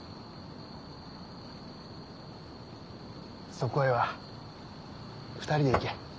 そこへは２人で行け。